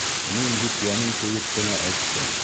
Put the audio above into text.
Мин бит йәнем көйөп кенә әйттем!